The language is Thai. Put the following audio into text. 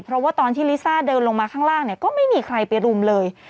เพราะว่าตอนที่ลิซ่าเดินลงมาข้างล่างเนี่ยก็ไม่มีใครไปรุมเลย